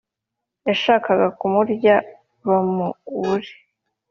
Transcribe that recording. Yashakaga kumurya bamubure